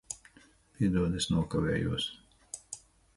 Piedod, es nokavējos.